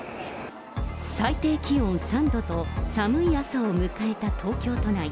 最低気温３度と寒い朝を迎えた東京都内。